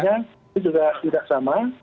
itu juga tidak sama